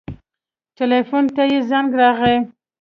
ټېلفون ته يې زنګ راغى.